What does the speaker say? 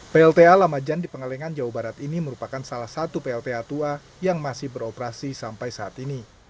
plta lamajan di pengalengan jawa barat ini merupakan salah satu plta tua yang masih beroperasi sampai saat ini